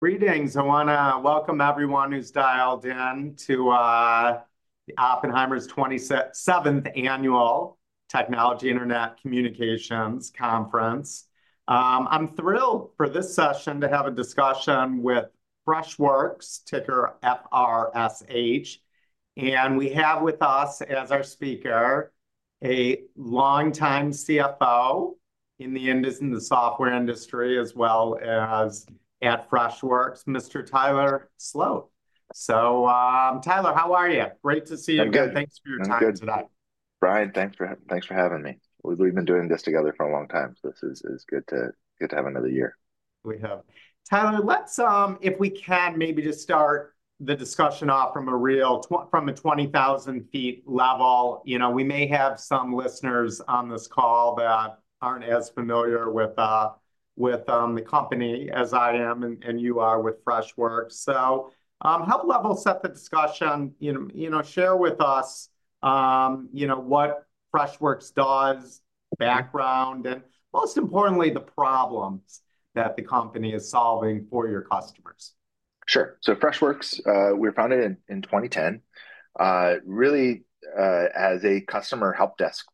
Greetings. I wanna welcome everyone who's dialed in to the Oppenheimer's 27th Annual Technology, Internet, Communications Conference. I'm thrilled for this session to have a discussion with Freshworks, ticker FRSH. And we have with us as our speaker, a longtime CFO in the software industry, as well as at Freshworks, Mr. Tyler Sloat. So, Tyler, how are you? Great to see you again. I'm good. Thanks for your time tonight. I'm good. Brian, thanks for having me. We've been doing this together for a long time, so this is good to have another year. Tyler, let's if we can maybe just start the discussion off from a real 20,000 feet level. You know, we may have some listeners on this call that aren't as familiar with, with, the company as I am and, and you are with Freshworks. So, help level set the discussion. You know, you know, share with us, you know, what Freshworks does, background, and most importantly, the problems that the company is solving for your customers. Sure. So Freshworks, we were founded in 2010, really, as a customer help desk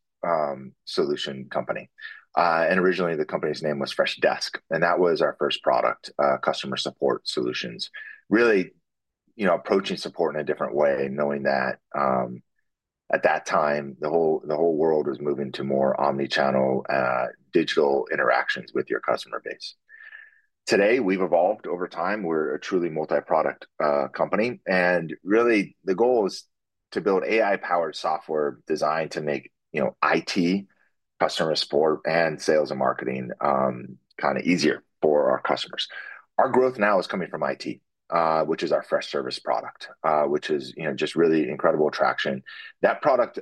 solution company. And originally, the company's name was Freshdesk, and that was our first product, customer support solutions. Really, you know, approaching support in a different way, knowing that at that time, the whole world was moving to more omni-channel digital interactions with your customer base. Today, we've evolved over time. We're a truly multi-product company, and really, the goal is to build AI-powered software designed to make, you know, IT, customer support, and sales and marketing, kind of easier for our customers. Our growth now is coming from IT, which is our Freshservice product, which is, you know, just really incredible traction. That product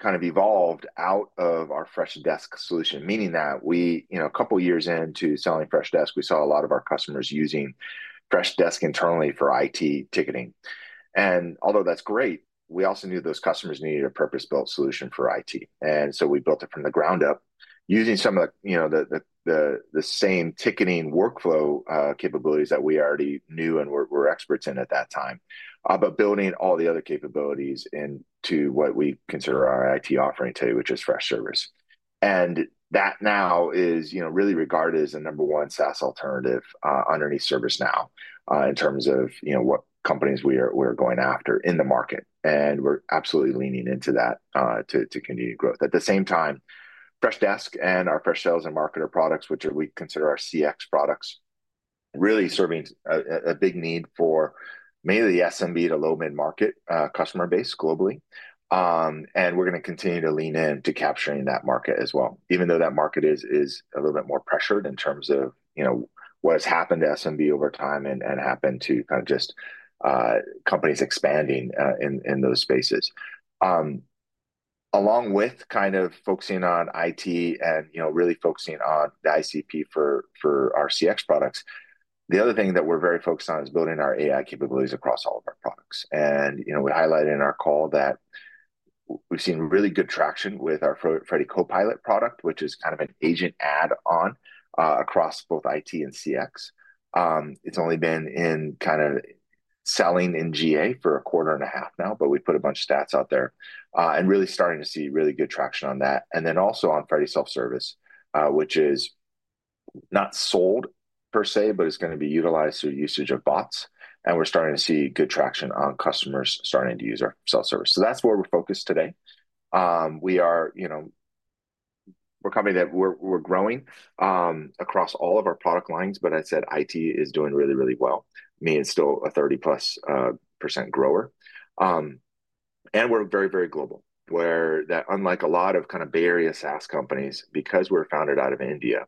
kind of evolved out of our Freshdesk solution, meaning that we... You know, a couple years into selling Freshdesk, we saw a lot of our customers using Freshdesk internally for IT ticketing. And although that's great, we also knew those customers needed a purpose-built solution for IT, and so we built it from the ground up using some of the, you know, the same ticketing workflow capabilities that we already knew and were experts in at that time, but building all the other capabilities into what we consider our IT offering today, which is Freshservice. And that now is, you know, really regarded as the number one SaaS alternative underneath ServiceNow in terms of, you know, what companies we're going after in the market, and we're absolutely leaning into that to continue growth. At the same time, Freshdesk and our Freshsales and Freshmarketer products, which we consider our CX products, really serving a big need for mainly the SMB to low-mid market customer base globally. And we're gonna continue to lean in to capturing that market as well, even though that market is a little bit more pressured in terms of, you know, what has happened to SMB over time and happened to kind of just companies expanding in those spaces. Along with kind of focusing on IT and, you know, really focusing on the ICP for our CX products, the other thing that we're very focused on is building our AI capabilities across all of our products. You know, we highlighted in our call that we've seen really good traction with our Freddy Copilot product, which is kind of an agent add-on across both IT and CX. It's only been in kind of selling in GA for a quarter and a half now, but we've put a bunch of stats out there, and really starting to see really good traction on that. And then also on Freddy Self Service, which is not sold per se, but it's gonna be utilized through usage of bots, and we're starting to see good traction on customers starting to use our self-service. So that's where we're focused today. We are, you know, we're a company that we're, we're growing across all of our product lines, but I said IT is doing really, really well, meaning it's still a 30+% grower. and we're very, very global, where that unlike a lot of kind of Bay Area SaaS companies, because we're founded out of India,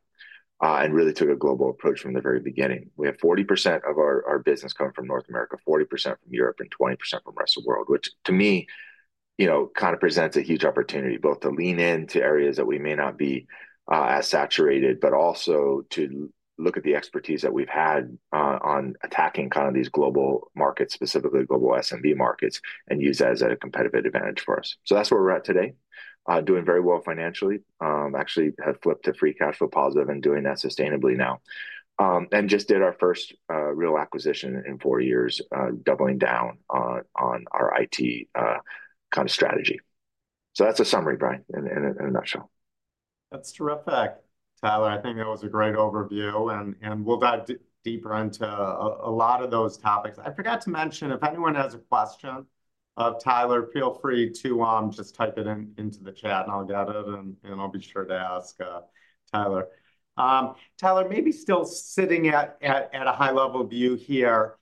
and really took a global approach from the very beginning, we have 40% of our, our business coming from North America, 40% from Europe, and 20% from the rest of the world, which to me, you know, kind of presents a huge opportunity both to lean in to areas that we may not be, as saturated, but also to look at the expertise that we've had, on attacking kind of these global markets, specifically global SMB markets, and use that as a competitive advantage for us. So that's where we're at today. doing very well financially. Actually have flipped to free cash flow positive and doing that sustainably now. Just did our first real acquisition in four years, doubling down on our IT kind of strategy. So that's a summary, Brian, in a nutshell. That's terrific, Tyler. I think that was a great overview, and we'll dive deeper into a lot of those topics. I forgot to mention, if anyone has a question of Tyler, feel free to just type it into the chat, and I'll get it, and I'll be sure to ask Tyler. Tyler, maybe still sitting at a high-level view here,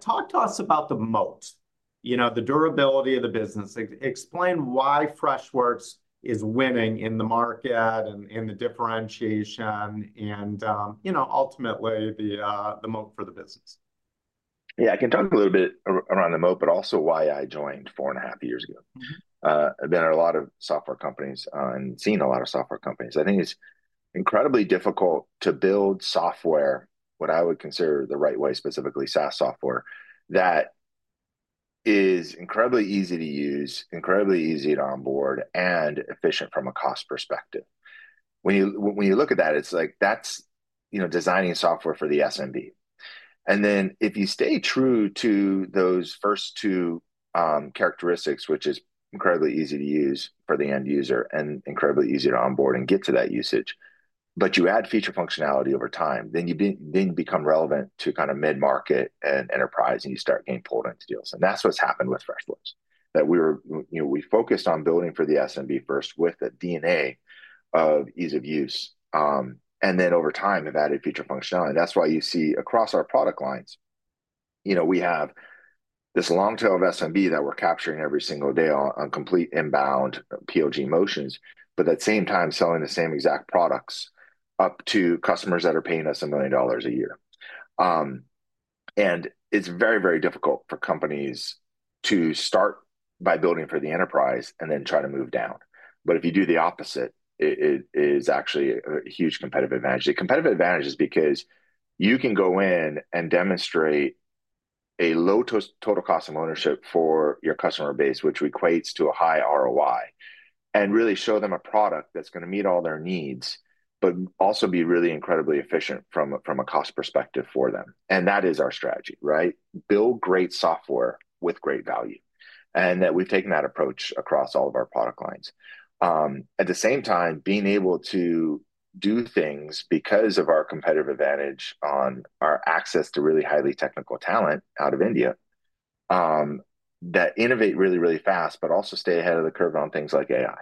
talk to us about the moat, you know, the durability of the business. Explain why Freshworks is winning in the market and the differentiation and, you know, ultimately, the moat for the business. Yeah, I can talk a little bit around the moat, but also why I joined 4.5 years ago. Mm-hmm. I've been at a lot of software companies, and seen a lot of software companies. I think it's incredibly difficult to build software, what I would consider the right way, specifically SaaS software, that is incredibly easy to use, incredibly easy to onboard, and efficient from a cost perspective. When you look at that, it's like that's, you know, designing software for the SMB. And then if you stay true to those first two characteristics, which is incredibly easy to use for the end user and incredibly easy to onboard and get to that usage, but you add feature functionality over time, then you become relevant to kind of Mid-market and Enterprise, and you start getting pulled into deals. That's what's happened with Freshworks, that we were, you know, we focused on building for the SMB first with the DNA of ease of use, and then over time have added feature functionality. That's why you see across our product lines, you know, we have this long tail of SMB that we're capturing every single day on complete inbound PLG motions, but at the same time selling the same exact products up to customers that are paying us $1 million a year. It's very, very difficult for companies to start by building for the enterprise and then try to move down. But if you do the opposite, it is actually a huge competitive advantage. The competitive advantage is because you can go in and demonstrate a low total cost of ownership for your customer base, which equates to a high ROI, and really show them a product that's gonna meet all their needs, but also be really incredibly efficient from a cost perspective for them, and that is our strategy, right? Build great software with great value, and that we've taken that approach across all of our product lines. At the same time, being able to do things because of our competitive advantage on our access to really highly technical talent out of India, that innovate really, really fast, but also stay ahead of the curve on things like AI,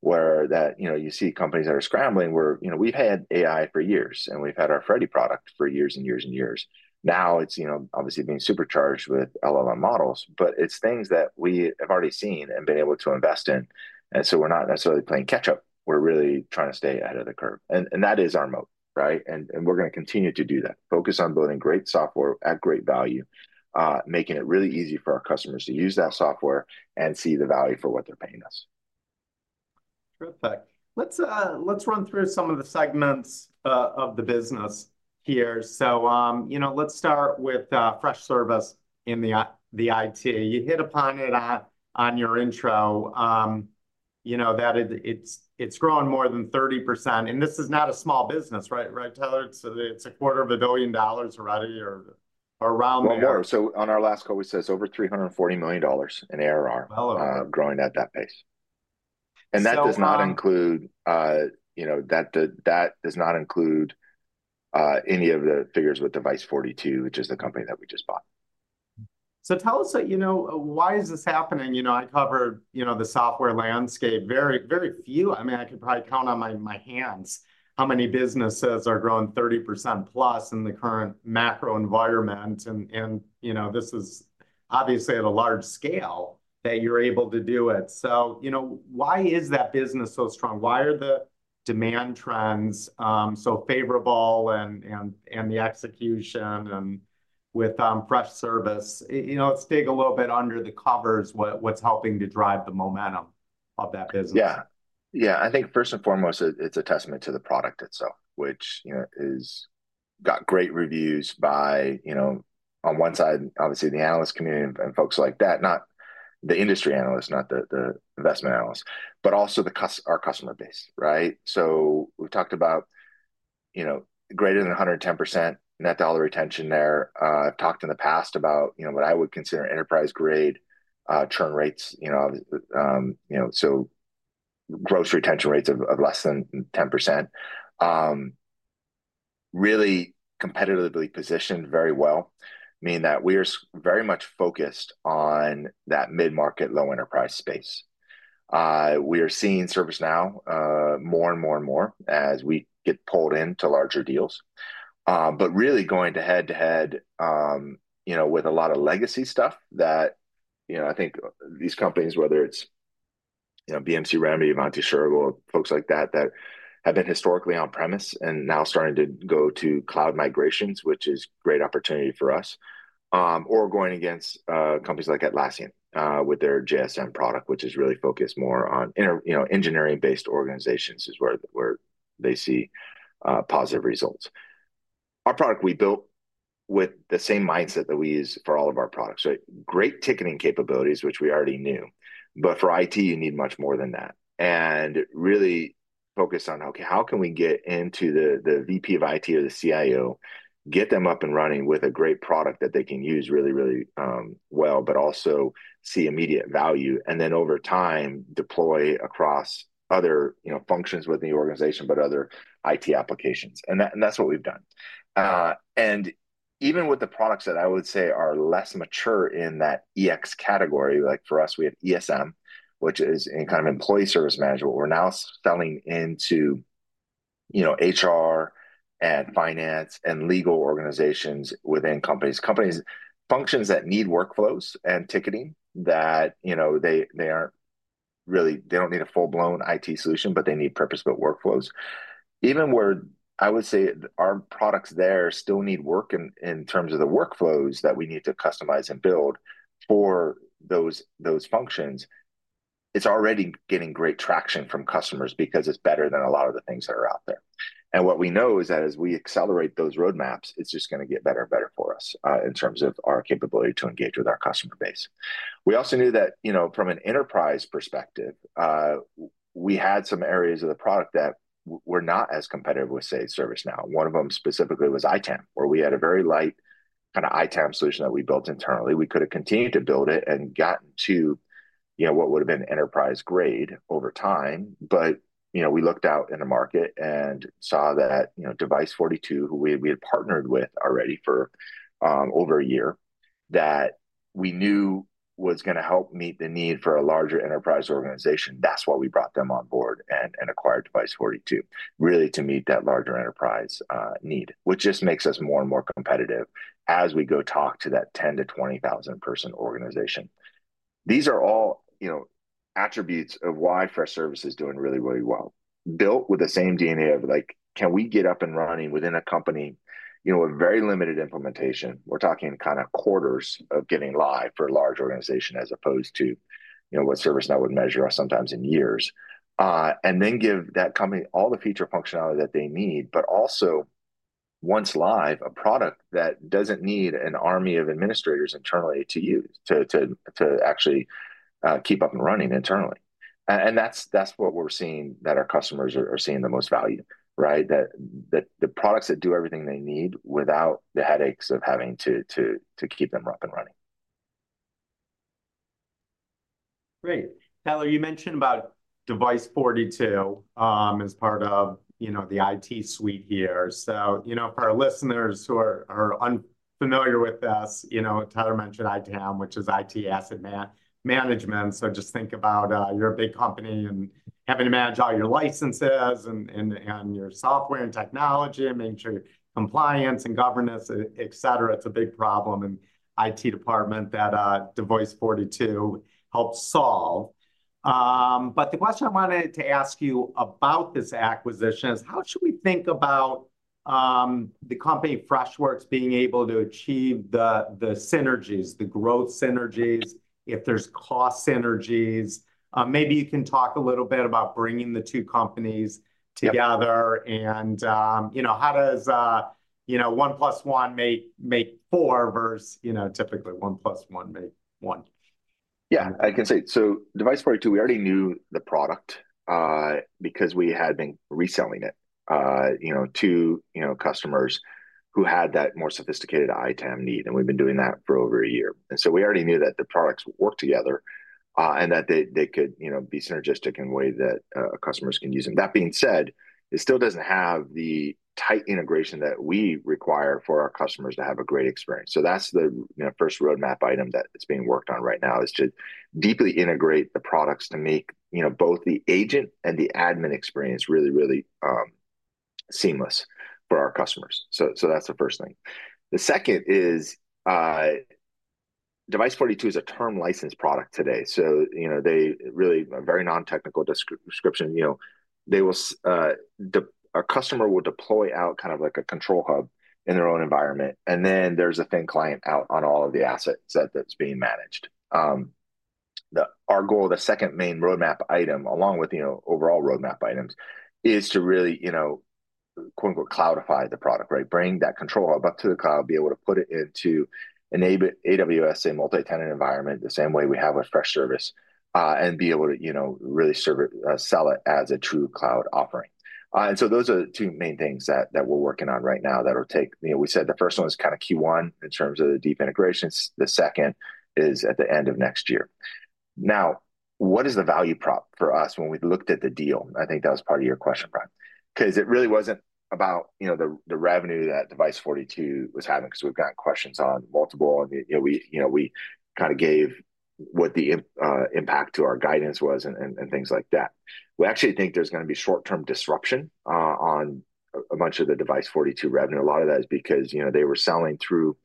where that, you know, you see companies that are scrambling, where... You know, we've had AI for years, and we've had our Freddy product for years and years and years. Now, it's, you know, obviously being supercharged with LLM models, but it's things that we have already seen and been able to invest in, and so we're not necessarily playing catch-up. We're really trying to stay ahead of the curve, and, and we're gonna continue to do that. Focus on building great software at great value, making it really easy for our customers to use that software and see the value for what they're paying us. Terrific. Let's let's run through some of the segments of the business here. So, you know, let's start with Freshservice in the the IT. You hit upon it on your intro, you know, that it, it's, it's growing more than 30%, and this is not a small business, right, right, Tyler? It's it's a quarter of a billion dollars or rather or around there. Well, more. So on our last call, we said it's over $340 million in ARR- Wow!... growing at that pace. So, uh- And that does not include, you know, that does not include any of the figures with Device42, which is the company that we just bought. So tell us, you know, why is this happening? You know, I cover, you know, the software landscape. Very, very few. I mean, I could probably count on my, my hands how many businesses are growing 30%+ in the current macro environment, and, and, you know, this is obviously at a large scale that you're able to do it. So, you know, why is that business so strong? Why are the demand trends so favorable, and, and, and the execution with Freshservice? You know, let's dig a little bit under the covers, what's helping to drive the momentum of that business? Yeah. Yeah, I think first and foremost, it's a testament to the product itself, which, you know, has got great reviews by, you know, on one side, obviously the analyst community and folks like that, not the industry analysts, not the, the investment analysts, but also our customer base, right? So we've talked about, you know, greater than 110% net dollar retention there. Talked in the past about, you know, what I would consider enterprise-grade churn rates, you know, so gross retention rates of, of less than 10%. Really competitively positioned very well, mean that we are very much focused on that mid-market, low enterprise space. We are seeing ServiceNow more and more and more as we get pulled into larger deals. But really going to head-to-head, you know, with a lot of legacy stuff that, you know, I think these companies, whether it's, you know, BMC Remedy, Ivanti Service, or folks like that, that have been historically on-premise and now starting to go to cloud migrations, which is great opportunity for us. Or going against, companies like Atlassian, with their JSM product, which is really focused more on inter- you know, engineering-based organizations, is where, where they see, positive results. Our product we built with the same mindset that we use for all of our products, so great ticketing capabilities, which we already knew. But for IT, you need much more than that, and really focus on, okay, how can we get into the, the VP of IT or the CIO, get them up and running with a great product that they can use really, really well, but also see immediate value, and then over time, deploy across other, you know, functions within the organization, but other IT applications? And that, and that's what we've done. And even with the products that I would say are less mature in that CX category, like for us, we have ESM, which is a kind of enterprise service management. We're now selling into, you know, HR and finance and legal organizations within companies. Company functions that need workflows and ticketing that, you know, they, they aren't really – they don't need a full-blown IT solution, but they need purpose-built workflows. Even where I would say our products there still need work in terms of the workflows that we need to customize and build for those functions. It's already getting great traction from customers because it's better than a lot of the things that are out there. And what we know is that as we accelerate those roadmaps, it's just gonna get better and better for us in terms of our capability to engage with our customer base. We also knew that, you know, from an enterprise perspective, we had some areas of the product that were not as competitive with, say, ServiceNow. One of them specifically was ITAM, where we had a very light kind of ITAM solution that we built internally. We could have continued to build it and gotten to, you know, what would've been enterprise grade over time. But, you know, we looked out in the market and saw that, you know, Device42, who we, we had partnered with already for over a year, that we knew was gonna help meet the need for a larger enterprise organization. That's why we brought them on board and, and acquired Device42, really to meet that larger enterprise need, which just makes us more and more competitive as we go talk to that 10,000-20,000 person organization. These are all, you know, attributes of why Freshservice is doing really, really well. Built with the same DNA of, like, can we get up and running within a company, you know, with very limited implementation? We're talking in kind of quarters of getting live for a large organization as opposed to, you know, what ServiceNow would measure sometimes in years. And then give that company all the feature functionality that they need, but also, once live, a product that doesn't need an army of administrators internally to use to actually keep up and running internally. And that's what we're seeing, that our customers are seeing the most value, right? That the products that do everything they need without the headaches of having to keep them up and running. Great. Tyler, you mentioned about Device42, as part of, you know, the IT suite here. So, you know, for our listeners who are unfamiliar with this, you know, Tyler mentioned ITAM, which is IT asset management. So just think about, you're a big company and having to manage all your licenses and your software and technology and making sure compliance and governance, et cetera. It's a big problem in IT department that Device42 helped solve. But the question I wanted to ask you about this acquisition is: how should we think about the company Freshworks being able to achieve the synergies, the growth synergies, if there's cost synergies? Maybe you can talk a little bit about bringing the two companies together- Yep... and, you know, how does, you know, one plus one make four, versus, you know, typically one plus one make one? Yeah, I can say. So Device42, we already knew the product, because we had been reselling it, you know, to, you know, customers who had that more sophisticated ITAM need, and we've been doing that for over a year. And so we already knew that the products would work together, and that they, they could, you know, be synergistic in a way that, our customers can use them. That being said, it still doesn't have the tight integration that we require for our customers to have a great experience. So that's the, you know, first roadmap item that is being worked on right now, is to deeply integrate the products to make, you know, both the agent and the admin experience really, really, seamless for our customers. So, so that's the first thing. The second is, Device42 is a term license product today. So, you know, they really a very non-technical description. You know, they will say a customer will deploy out kind of like a control hub in their own environment, and then there's a thin client out on all of the assets that's being managed. Our goal, the second main roadmap item, along with, you know, overall roadmap items, is to really, you know, quote, unquote, "cloudify" the product, right? Bring that control hub up to the cloud, be able to put it into an AWS and multi-tenant environment, the same way we have with Freshservice, and be able to, you know, really serve it, sell it as a true cloud offering. And so those are the two main things that we're working on right now that will take. You know, we said the first one is kind of Q1 in terms of the deep integrations. The second is at the end of next year. Now, what is the value prop for us when we looked at the deal? I think that was part of your question, Brad, 'cause it really wasn't about, you know, the revenue that Device42 was having, 'cause we've got questions on multiple. And, you know, we kind of gave what the impact to our guidance was and things like that. We actually think there's gonna be short-term disruption on much of the Device42 revenue. A lot of that is because, you know, they were selling through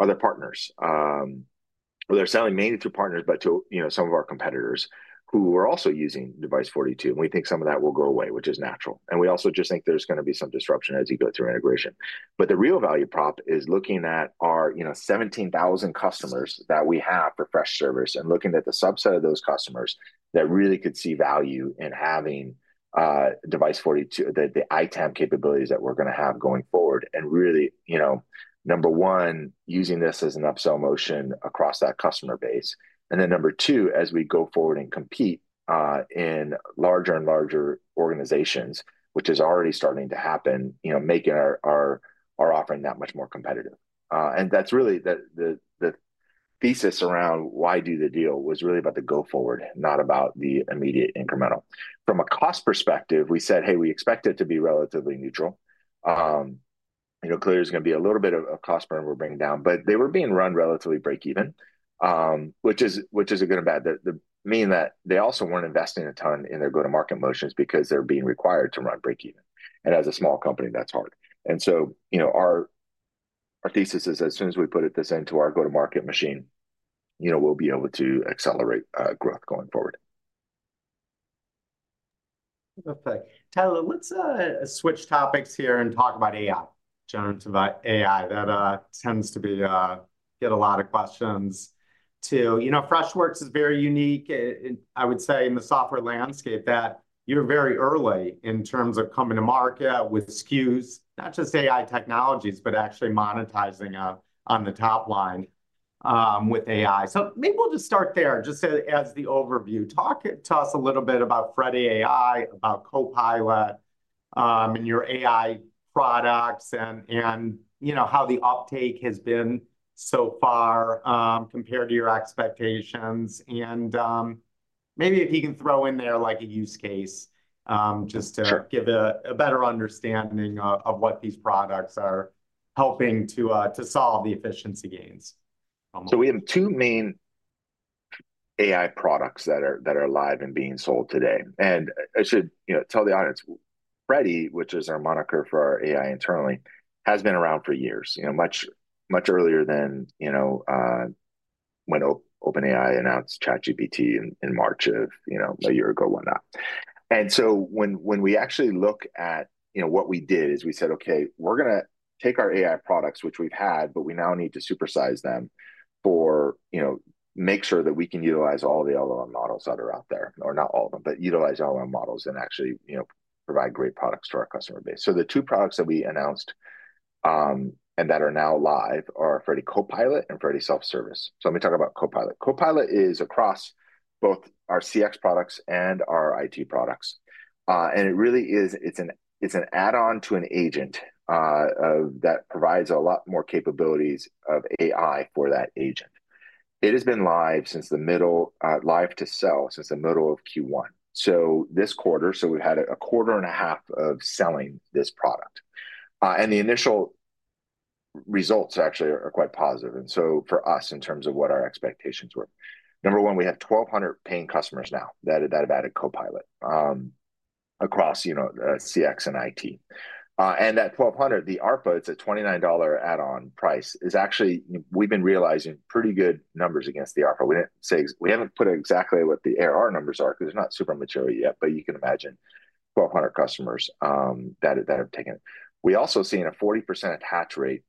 other partners. Well, they're selling mainly through partners, but to, you know, some of our competitors who are also using Device42, and we think some of that will go away, which is natural. And we also just think there's gonna be some disruption as you go through integration. But the real value prop is looking at our, you know, 17,000 customers that we have for Freshservice, and looking at the subset of those customers that really could see value in having Device42, the ITAM capabilities that we're gonna have going forward. And really, you know, number one, using this as an upsell motion across that customer base. And then, number two, as we go forward and compete in larger and larger organizations, which is already starting to happen, you know, making our offering that much more competitive. And that's really the thesis around why do the deal was really about the go forward, not about the immediate incremental. From a cost perspective, we said, "Hey, we expect it to be relatively neutral." You know, clearly, there's gonna be a little bit of cost burn we're bringing down, but they were being run relatively break even, which is a good and bad. That means that they also weren't investing a ton in their go-to-market motions because they're being required to run break even, and as a small company, that's hard. And so, you know, our thesis is, as soon as we put this into our go-to-market machine, you know, we'll be able to accelerate growth going forward. Perfect. Tyler, let's switch topics here and talk about AI, generative AI. That tends to get a lot of questions, too. You know, Freshworks is very unique, I would say, in the software landscape, that you're very early in terms of coming to market with SKUs, not just AI technologies, but actually monetizing on the top line with AI. So maybe we'll just start there, just as the overview. Tell us a little bit about Freddy AI, about Copilot, and your AI products, and you know, how the uptake has been so far compared to your expectations. And maybe if you can throw in there, like, a use case, just to- Sure... give a better understanding of what these products are helping to solve the efficiency gains. So we have two main AI products that are live and being sold today. And I should, you know, tell the audience, Freddy, which is our moniker for our AI internally, has been around for years. You know, much, much earlier than, you know, when OpenAI announced ChatGPT in March of, you know- Right... a year ago, whatnot. And so when we actually look at... You know, what we did is we said, "Okay, we're gonna take our AI products, which we've had, but we now need to supersize them for, you know, make sure that we can utilize all the LLM models that are out there. Or not all of them, but utilize LLM models and actually, you know, provide great products to our customer base." So the two products that we announced and that are now live are Freddy Copilot and Freddy Self Service. So let me talk about Copilot. Copilot is across both our CX products and our IT products. And it really is, it's an add-on to an agent that provides a lot more capabilities of AI for that agent. It has been live since the middle of Q1. So this quarter, so we've had a quarter and a half of selling this product. And the initial results actually are quite positive, and so for us, in terms of what our expectations were. Number one, we have 1,200 paying customers now that have added Copilot across, you know, CX and IT. And at 1,200, the ARPA, it's a $29 add-on price, is actually we've been realizing pretty good numbers against the ARPA. We didn't say we haven't put exactly what the ARR numbers are, 'cause they're not super mature yet, but you can imagine 1,200 customers that have taken. We also seen a 40% attach rate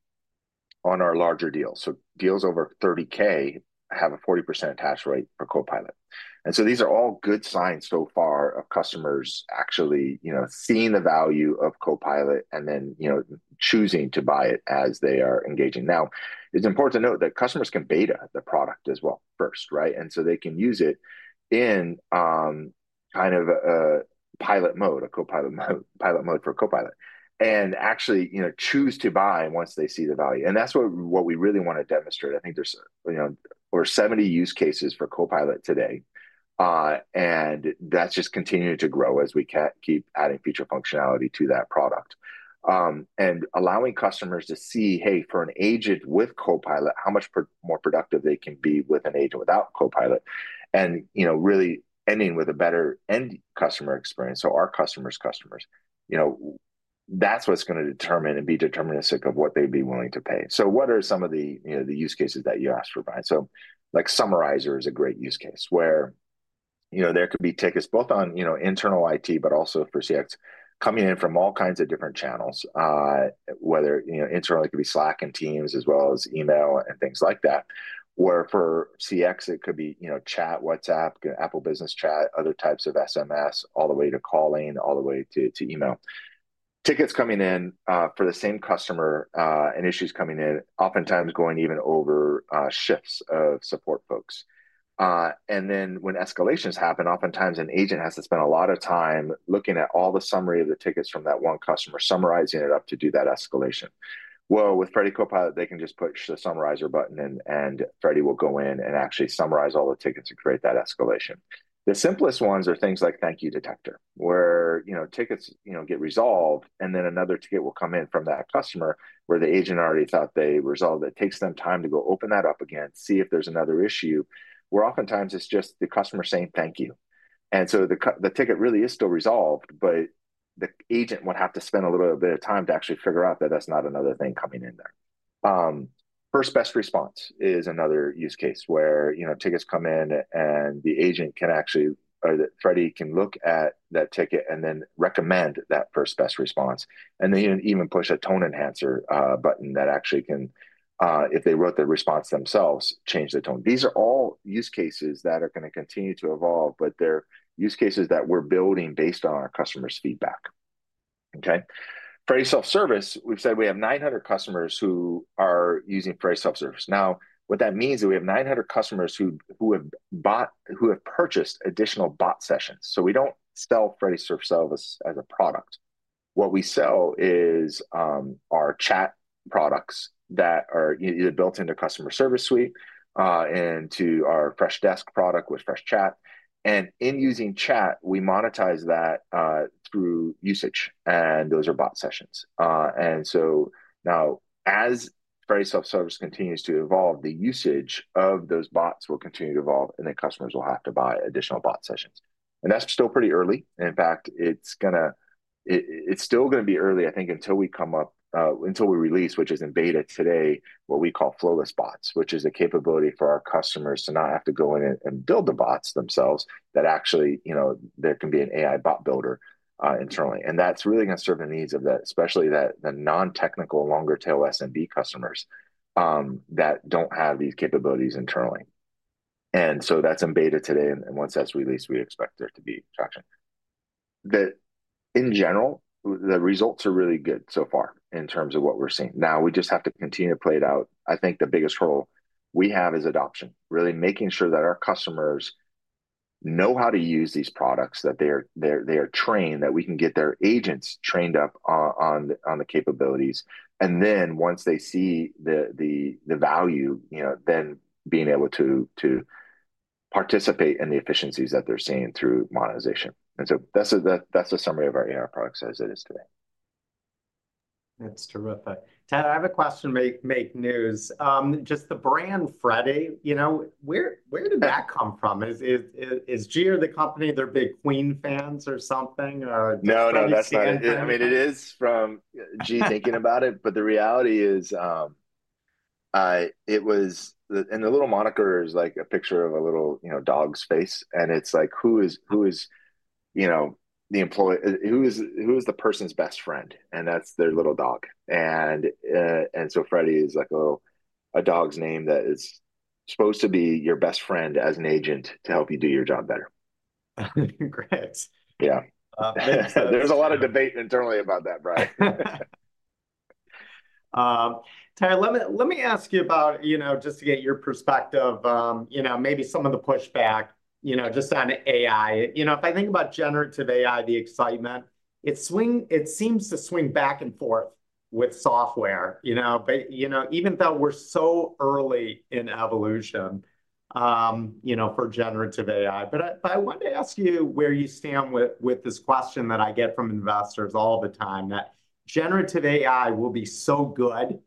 on our larger deals. So deals over $30K have a 40% attach rate for Copilot. And so these are all good signs so far of customers actually, you know, seeing the value of Copilot, and then, you know, choosing to buy it as they are engaging. Now, it's important to note that customers can beta the product as well first, right? And so they can use it in kind of a pilot mode, a Copilot mode pilot mode for Copilot, and actually, you know, choose to buy once they see the value, and that's what we really wanna demonstrate. I think there's, you know, over 70 use cases for Copilot today, and that's just continuing to grow as we keep adding feature functionality to that product. And allowing customers to see, hey, for an agent with Copilot, how much more productive they can be with an agent without Copilot? And, you know, really ending with a better end customer experience, so our customer's customers. You know, that's what's gonna determine and be deterministic of what they'd be willing to pay. So what are some of the, you know, the use cases that you asked for, Brian? So, like, Summarizer is a great use case, where, you know, there could be tickets both on, you know, internal IT, but also for CX, coming in from all kinds of different channels. Whether, you know, internally, it could be Slack and Teams, as well as email and things like that. Where for CX, it could be, you know, chat, WhatsApp, Apple Business Chat, other types of SMS, all the way to calling, all the way to, to email. Tickets coming in, for the same customer, and issues coming in, oftentimes going even over, shifts of support folks. When escalations happen, oftentimes an agent has to spend a lot of time looking at all the summary of the tickets from that one customer, summarizing it up to do that escalation. Well, with Freddy Copilot, they can just push the Summarizer button, and Freddy will go in and actually summarize all the tickets and create that escalation. The simplest ones are things like Thank You Detector, where, you know, tickets, you know, get resolved, and then another ticket will come in from that customer, where the agent already thought they resolved it. Takes them time to go open that up again, see if there's another issue, where oftentimes it's just the customer saying, "Thank you." And so the cu- the ticket really is still resolved, but the agent would have to spend a little bit of time to actually figure out that that's not another thing coming in there. First Best Response is another use case, where, you know, tickets come in, and the agent can actually, or that Freddy can look at that ticket and then recommend that first best response, and then even push a tone enhancer button, that actually can, if they wrote the response themselves, change the tone. These are all use cases that are gonna continue to evolve, but they're use cases that we're building based on our customers' feedback, okay? Freddy Self-Service, we've said we have 900 customers who are using Freddy Self-Service. Now, what that means is we have 900 customers who have purchased additional bot sessions. So we don't sell Freddy Self-Service as a product. What we sell is our chat products that are either built into Customer Service Suite and to our Freshdesk product, with Freshchat. And in using chat, we monetize that through usage, and those are bot sessions. And so now, as Freddy Self-Service continues to evolve, the usage of those bots will continue to evolve, and then customers will have to buy additional bot sessions. And that's still pretty early, and in fact, it's gonna-... It, it's still gonna be early, I think, until we come up until we release, which is in beta today, what we call flowless bots, which is a capability for our customers to not have to go in and build the bots themselves. That actually, you know, there can be an AI bot builder internally. And that's really gonna serve the needs of especially the non-technical, longer tail SMB customers that don't have these capabilities internally. And so that's in beta today, and once that's released, we expect there to be traction. That in general, the results are really good so far in terms of what we're seeing. Now, we just have to continue to play it out. I think the biggest hurdle we have is adoption, really making sure that our customers know how to use these products, that they are trained, that we can get their agents trained up on the capabilities. And then once they see the value, you know, then being able to participate in the efficiencies that they're seeing through monetization. And so that's the summary of our AI products as it is today. That's terrific. Tyler, I have a question. Just the brand Freddy, you know, where did that come from? Is Gee the company, they're big Queen fans or something? No, no, that's not it. Did Freddy see it? I mean, it is from Gee thinking about it, but the reality is, and the little moniker is like a picture of a little, you know, dog's face, and it's like, who is, you know, the employee who is the person's best friend? And that's their little dog. And so Freddy is like a little, a dog's name that is supposed to be your best friend as an agent to help you do your job better. Great. Yeah. Um, so- There's a lot of debate internally about that brad. Ted, let me ask you about, you know, just to get your perspective, you know, maybe some of the pushback, you know, just on AI. You know, if I think about generative AI, the excitement, it seems to swing back and forth with software, you know? But, you know, even though we're so early in evolution, you know, for generative AI. But I want to ask you where you stand with this question that I get from investors all the time, that generative AI will be so good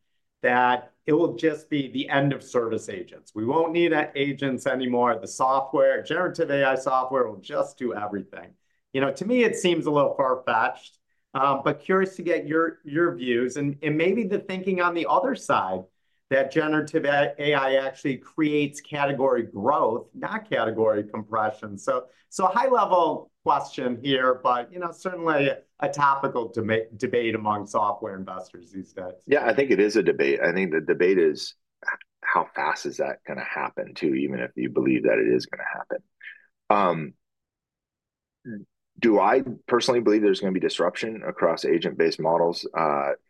that it will just be the end of service agents. We won't need that agents anymore, the software, generative AI software will just do everything. You know, to me, it seems a little far-fetched, but curious to get your views, and maybe the thinking on the other side, that generative AI actually creates category growth, not category compression. So, a high-level question here, but, you know, certainly a topical debate among software investors these days. Yeah, I think it is a debate. I think the debate is how fast is that gonna happen, too, even if you believe that it is gonna happen. Do I personally believe there's gonna be disruption across agent-based models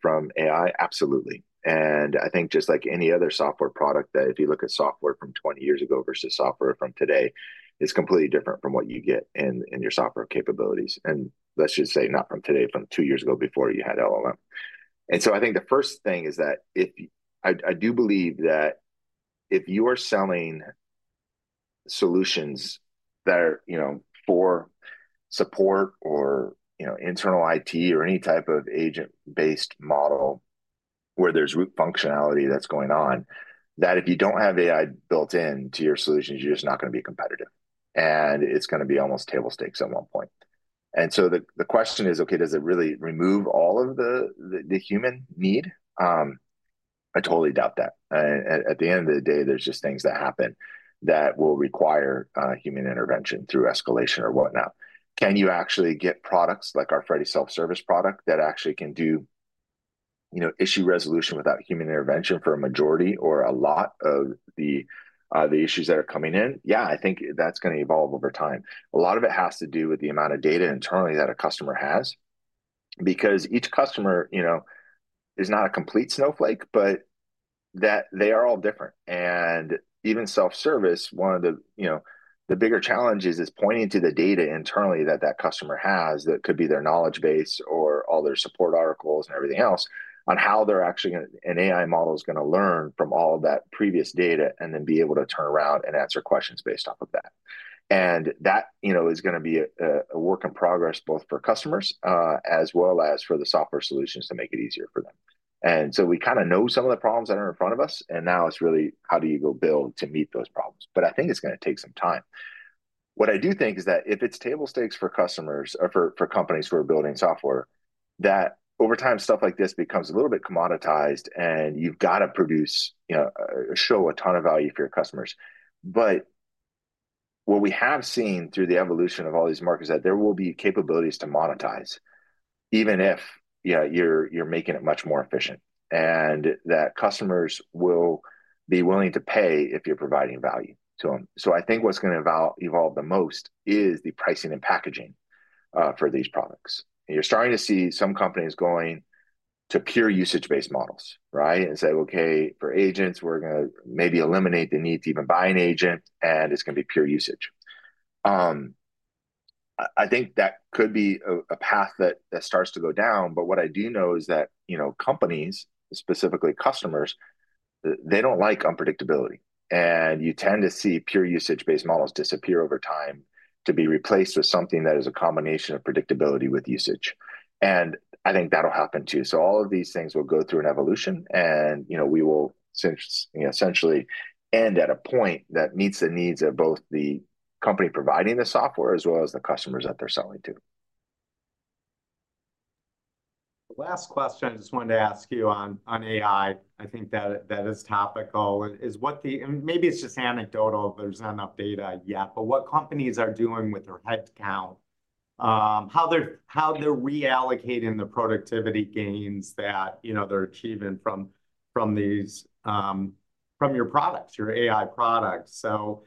from AI? Absolutely. And I think just like any other software product, that if you look at software from 20 years ago versus software from today, it's completely different from what you get in your software capabilities. And let's just say, not from today, from 2 years ago, before you had LLM. And so I think the first thing is that if... I do believe that if you are selling solutions that are, you know, for support or, you know, internal IT, or any type of agent-based model where there's root functionality that's going on, that if you don't have AI built in to your solutions, you're just not gonna be competitive, and it's gonna be almost table stakes at one point. So the question is, okay, does it really remove all of the human need? I totally doubt that. At the end of the day, there's just things that happen that will require human intervention through escalation or whatnot. Can you actually get products like our Freddy Self Service product that actually can do, you know, issue resolution without human intervention for a majority or a lot of the issues that are coming in? Yeah, I think that's gonna evolve over time. A lot of it has to do with the amount of data internally that a customer has, because each customer, you know, is not a complete snowflake, but that they are all different. And even self-service, one of the, you know, the bigger challenges is pointing to the data internally that that customer has, that could be their knowledge base or all their support articles and everything else, on how they're actually gonna- an AI model is gonna learn from all that previous data, and then be able to turn around and answer questions based off of that. And that, you know, is gonna be a work in progress, both for customers, as well as for the software solutions to make it easier for them. We kinda know some of the problems that are in front of us, and now it's really how do you go build to meet those problems? But I think it's gonna take some time. What I do think is that if it's table stakes for customers or for companies who are building software, that over time, stuff like this becomes a little bit commoditized, and you've got to produce, you know, show a ton of value for your customers. But what we have seen through the evolution of all these markets is that there will be capabilities to monetize, even if, you know, you're making it much more efficient, and that customers will be willing to pay if you're providing value to them. So I think what's gonna evolve the most is the pricing and packaging for these products. You're starting to see some companies going to pure usage-based models, right? And say, "Okay, for agents, we're gonna maybe eliminate the need to even buy an agent, and it's gonna be pure usage." I think that could be a path that starts to go down, but what I do know is that, you know, companies, specifically customers, they don't like unpredictability. And you tend to see pure usage-based models disappear over time, to be replaced with something that is a combination of predictability with usage. And I think that'll happen, too. So all of these things will go through an evolution, and, you know, we will essentially end at a point that meets the needs of both the company providing the software, as well as the customers that they're selling to. Last question I just wanted to ask you on AI, I think that is topical, is what the... and maybe it's just anecdotal, there's not enough data yet, but what companies are doing with their headcount, how they're reallocating the productivity gains that, you know, they're achieving from these, from your products, your AI products. So,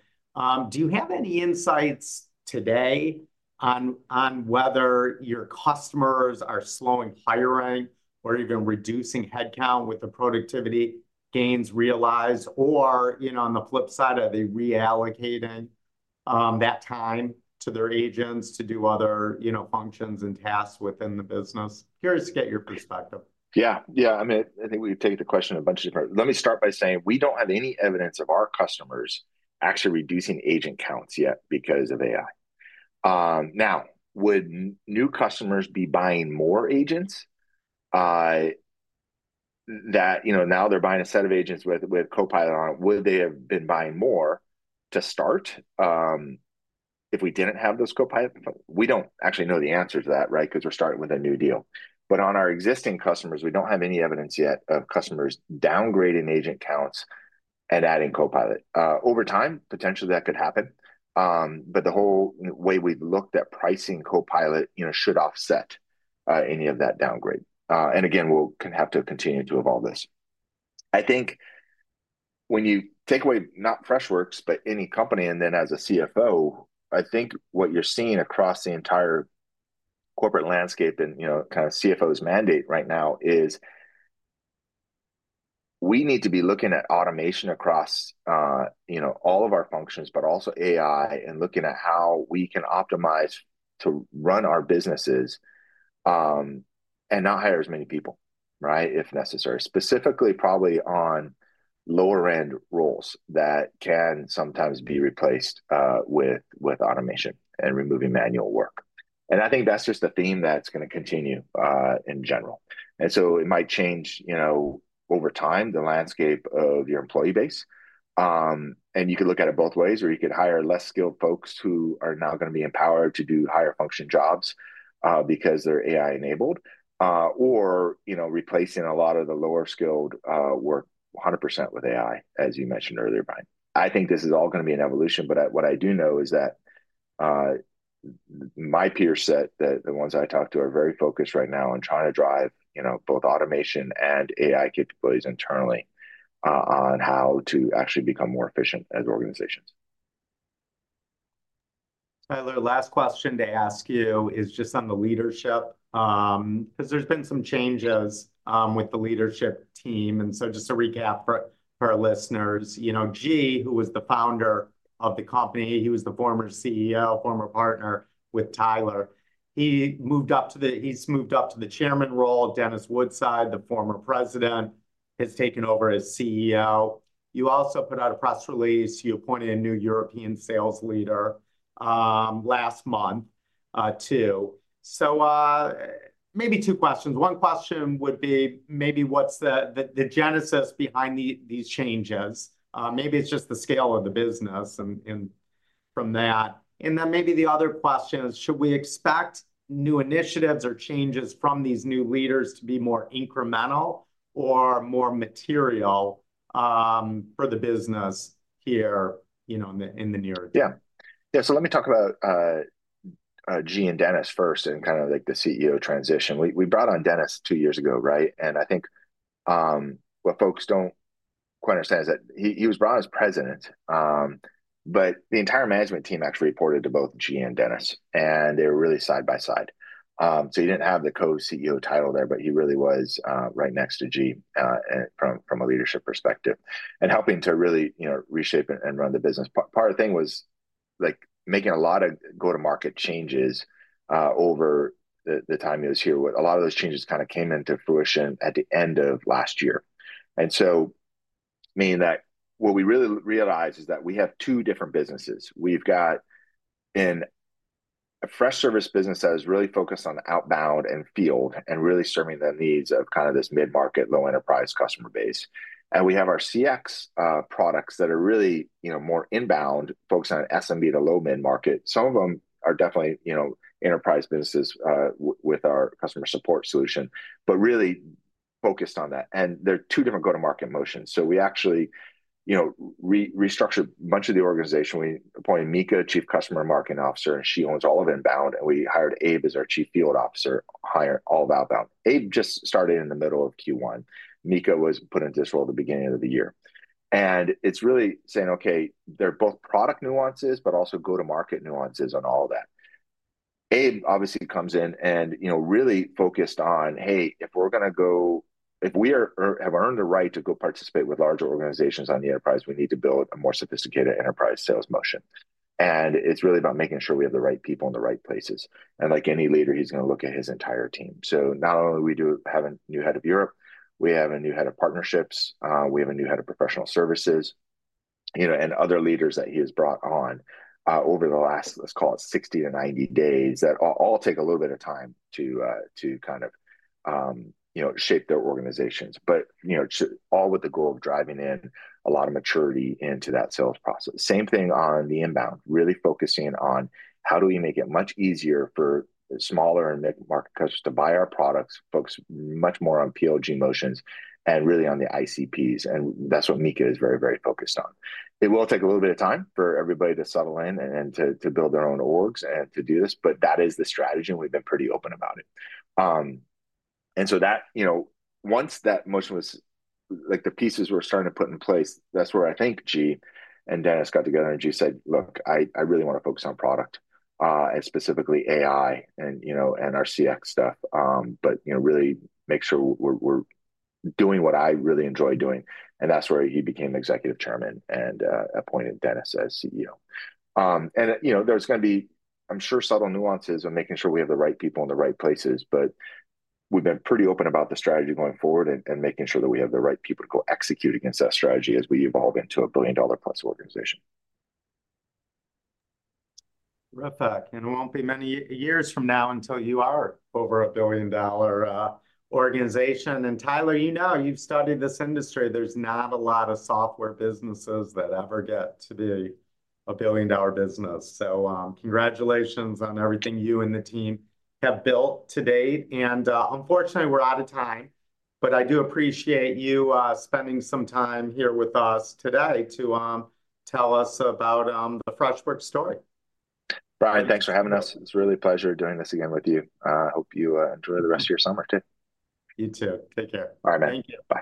do you have any insights today on whether your customers are slowing hiring or even reducing headcount with the productivity gains realized? Or, you know, on the flip side, are they reallocating that time to their agents to do other, you know, functions and tasks within the business? Curious to get your perspective. Yeah. Yeah, I mean, let me start by saying we don't have any evidence of our customers actually reducing agent counts yet because of AI. Now, would new customers be buying more agents, that you know, now they're buying a set of agents with Copilot on it? Would they have been buying more to start, if we didn't have those Copilot? We don't actually know the answer to that, right? Because we're starting with a new deal. But on our existing customers, we don't have any evidence yet of customers downgrading agent counts and adding Copilot. Over time, potentially that could happen. But the whole way we've looked at pricing Copilot, you know, should offset any of that downgrade. And again, we'll kind of have to continue to evolve this. I think when you take away, not Freshworks, but any company, and then as a CFO, I think what you're seeing across the entire corporate landscape and, you know, kind of CFO's mandate right now is we need to be looking at automation across, you know, all of our functions, but also AI, and looking at how we can optimize to run our businesses, and not hire as many people, right? If necessary. Specifically, probably on lower-end roles that can sometimes be replaced, with automation and removing manual work. I think that's just a theme that's going to continue, in general. So it might change, you know, over time, the landscape of your employee base. And you could look at it both ways, where you could hire less skilled folks who are now going to be empowered to do higher function jobs, because they're AI-enabled, or, you know, replacing a lot of the lower skilled work 100% with AI, as you mentioned earlier, Brian. I think this is all going to be an evolution, but what I do know is that my peer set, the ones I talk to, are very focused right now on trying to drive, you know, both automation and AI capabilities internally, on how to actually become more efficient as organizations. Tyler, last question to ask you is just on the leadership, because there's been some changes, with the leadership team, and so just to recap for, for our listeners, you know, Gee, who was the founder of the company, he was the former CEO, former partner with Tyler, he's moved up to the chairman role. Dennis Woodside, the former president, has taken over as CEO. You also put out a press release. You appointed a new European sales leader, last month, too. So, maybe two questions. One question would be maybe what's the genesis behind these changes? Maybe it's just the scale of the business, and from that. And then maybe the other question is, should we expect new initiatives or changes from these new leaders to be more incremental or more material, for the business here, you know, in the near term? Yeah. Yeah, so let me talk about, Gee and Dennis first, and kind of like the CEO transition. We brought on Dennis two years ago, right? And I think, what folks don't quite understand is that he was brought on as president, but the entire management team actually reported to both Gee and Dennis, and they were really side by side. So he didn't have the co-CEO title there, but he really was, right next to Gee, from a leadership perspective, and helping to really, you know, reshape and run the business. Part of the thing was, like, making a lot of go-to-market changes, over the time he was here. A lot of those changes kind of came into fruition at the end of last year. Meaning that what we really realized is that we have two different businesses. We've got in a Freshservice business that is really focused on outbound and field and really serving the needs of kind of this mid-market, low enterprise customer base. And we have our CX products that are really, you know, more inbound, focused on SMB to low mid-market. Some of them are definitely, you know, enterprise businesses with our customer support solution, but really focused on that. And they're two different go-to-market motions. So we actually, you know, restructured much of the organization. We appointed Mika, Chief Customer Marketing Officer, and she owns all of inbound, and we hired Abe as our Chief Field Officer, hire all of outbound. Abe just started in the middle of Q1. Mika was put into this role at the beginning of the year. And it's really saying, okay, they're both product nuances, but also go-to-market nuances on all of that. Abe obviously comes in and, you know, really focused on, hey, if we have earned the right to go participate with larger organizations on the enterprise, we need to build a more sophisticated enterprise sales motion. And it's really about making sure we have the right people in the right places. And like any leader, he's going to look at his entire team. So not only we do have a new head of Europe, we have a new head of partnerships, we have a new head of professional services, you know, and other leaders that he has brought on, over the last, let's call it 60-90 days, that all take a little bit of time to, to kind of, you know, shape their organizations. But, you know, all with the goal of driving in a lot of maturity into that sales process. Same thing on the inbound, really focusing on how do we make it much easier for smaller and mid-market customers to buy our products, focus much more on PLG motions and really on the ICPs, and that's what Mika is very, very focused on. It will take a little bit of time for everybody to settle in and to build their own orgs and to do this, but that is the strategy, and we've been pretty open about it. And so that, you know, once that motion was... like, the pieces were starting to put in place, that's where I think Gee and Dennis got together, and Gee said: "Look, I really want to focus on product, and specifically AI, and, you know, and our CX stuff, but, you know, really make sure we're doing what I really enjoy doing." And that's where he became executive chairman and appointed Dennis as CEO. You know, there's going to be, I'm sure, subtle nuances and making sure we have the right people in the right places, but we've been pretty open about the strategy going forward and making sure that we have the right people to go execute against that strategy as we evolve into a billion-dollar plus organization. Rough fact, and it won't be many years from now until you are over a billion-dollar organization. And Tyler, you know, you've studied this industry. There's not a lot of software businesses that ever get to be a billion-dollar business. So, congratulations on everything you and the team have built to date. And, unfortunately, we're out of time, but I do appreciate you spending some time here with us today to tell us about the Freshworks story. Brian, thanks for having us. It's really a pleasure doing this again with you. Hope you enjoy the rest of your summer, too. You too. Take care. Bye, man. Thank you. Bye.